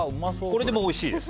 これでもうおいしいです。